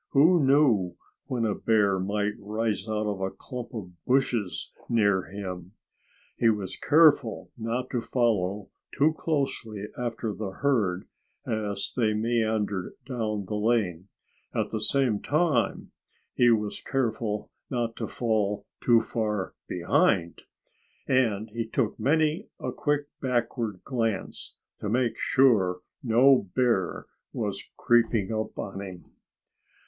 Who knew when a bear might rise out of a clump of bushes near him? He was careful not to follow too closely after the herd as they meandered down the lane. At the same time, he was careful not to fall too far behind. And he took many a quick backward glance, to make sure no bear was creeping up on him.